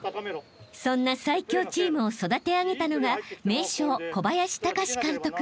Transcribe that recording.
［そんな最強チームを育て上げたのが名将］